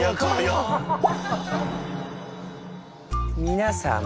皆さん。